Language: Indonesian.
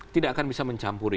tidak akan bisa mencampuri